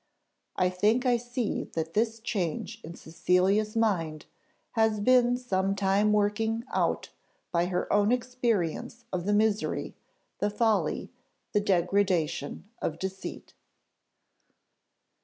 I think I see that this change in Cecilia's mind has been some time working out by her own experience of the misery, the folly, the degradation of deceit."